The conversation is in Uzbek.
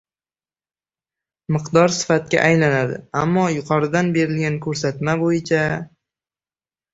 Miqdor sifatga aylanadi, ammo yuqoridan berilgan ko‘rsatma bo‘yicha…